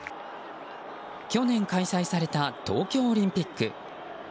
去年開催された東京オリンピック。